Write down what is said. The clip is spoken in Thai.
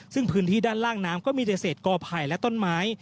ซึ่งพื้นที่ด้านล่างน้ำก็มีแต่เศษกอไผ่และต้นไม้